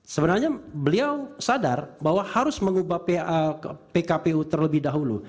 sebenarnya beliau sadar bahwa harus mengubah pkpu terlebih dahulu